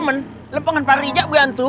silahkan gue bantu